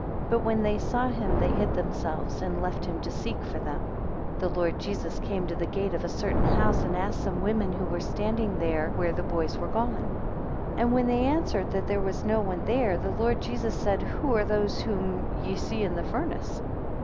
2 But when they saw him, they hid themselves, and left him to seek for them; 3 The Lord Jesus came to the gate of a certain house, and asked some women who were standing there, Where the boys were gone? 4 And when they answered, That there was no one there; the Lord Jesus said, Who are those whom ye see in the furnace?